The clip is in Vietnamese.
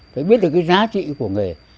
phải biết được cái giá trị của nghề